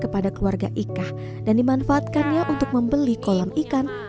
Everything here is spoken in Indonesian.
kepada keluarga ika dan dimanfaatkannya untuk membeli kolam ikan